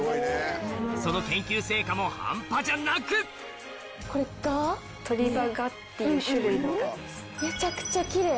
その研究成果も半端じゃなくめちゃくちゃキレイ。